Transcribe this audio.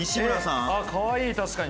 ああかわいい確かに。